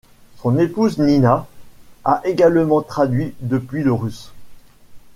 Son épouse, Nina, a également traduit depuis le russe.